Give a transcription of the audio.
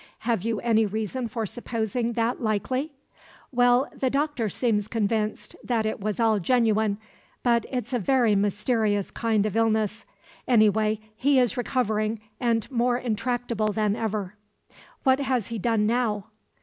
"Have you any reason for supposing that likely?" "Well, the doctor seems convinced that it was all genuine; but it's a very mysterious kind of illness. Any way, he is recovering, and more intractable than ever." "What has he done now?"